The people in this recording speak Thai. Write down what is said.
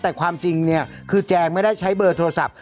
แต่ความจริงเนี่ยคือแจงไม่ได้ใช้เบอร์โทรศัพท์